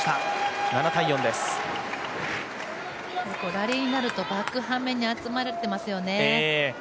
ラリーになるとバックに集まってますよね。